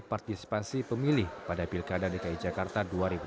partisipasi pemilih pada pilkada dki jakarta